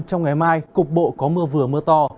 trong ngày mai cục bộ có mưa vừa mưa to